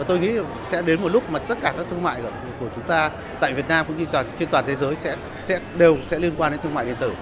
tôi nghĩ sẽ đến một lúc mà tất cả các thương mại của chúng ta tại việt nam cũng như trên toàn thế giới đều sẽ liên quan đến thương mại điện tử